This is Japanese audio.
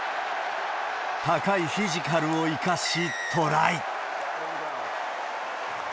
高いフィジカルを生かしトライ。